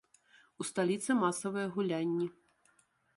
У сталіцы масавыя гулянні.